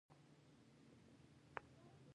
دا زموږ لپاره دي.